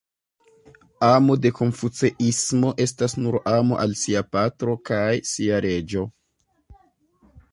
Amo de Konfuceismo estas nur amo al sia patro kaj sia reĝo.